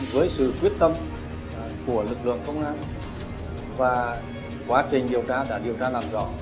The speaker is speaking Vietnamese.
với sự quyết tâm của lực lượng công an và quá trình điều tra đã điều tra làm rõ